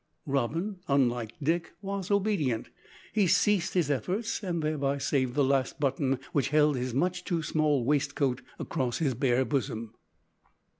Robin, unlike Dick, was obedient. He ceased his efforts, and thereby saved the last button which held his much too small waistcoat across his bare bosom.